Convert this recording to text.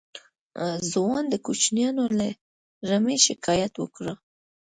ځوان د کوچيانو له رمې شکايت وکړ.